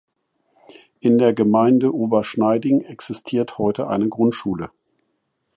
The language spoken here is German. In der Gemeinde Oberschneiding existiert heute eine Grundschule.